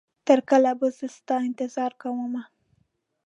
تر کله به زه ستا انتظار کومه